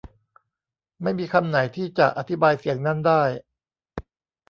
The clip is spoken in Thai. ไม่มีคำไหนที่จะอธิบายเสียงนั้นได้